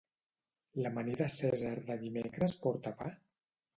L'amanida Cèsar de dimecres porta pa?